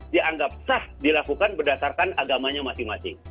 dianggap sah dilakukan berdasarkan agamanya masing masing